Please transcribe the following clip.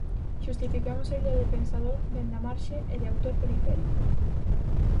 Xustifiquemos a idea de pensador dende a marxe e de autor periférico.